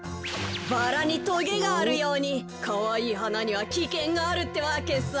バラにとげがあるようにかわいいはなにはきけんがあるってわけさ。